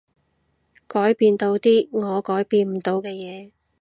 改變到啲我改變唔到嘅嘢